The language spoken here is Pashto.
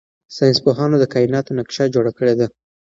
ساینس پوهانو د کائناتو نقشه جوړه کړې ده.